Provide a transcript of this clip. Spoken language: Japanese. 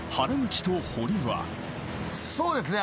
そうですね。